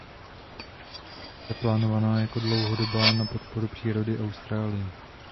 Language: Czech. Akce je plánovaná jako dlouhodobá na podporu přírody Austrálie.